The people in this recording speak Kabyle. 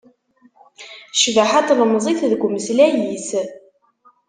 Cbaḥa n tlemẓit deg umeslay-is